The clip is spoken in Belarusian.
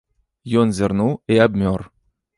Ён зірнуў і абмёр.